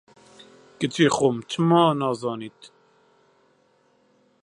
کچی خۆم، چما نازانیت